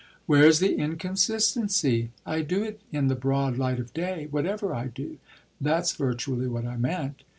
"Where's the inconsistency? I do it in the broad light of day, whatever I do: that's virtually what I meant.